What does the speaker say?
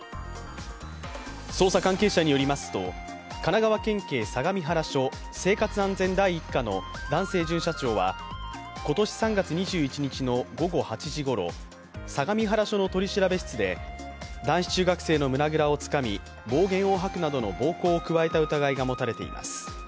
捜査関係者によりますと、神奈川県警相模原署生活安全第１課の男性巡査長は今年３月２１日の午後８時ごろ、相模原署の取調室で男子中学生の胸ぐらをつかみ暴言を吐くなどの暴行を加えた疑いが持たれています。